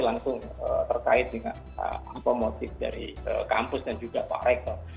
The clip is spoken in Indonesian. langsung terkait dengan apa motif dari kampus dan juga pak rektor